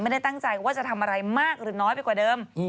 ไม่ได้ตั้งใจว่าจะทำอะไรมากหรือน้อยไปกว่าเดิม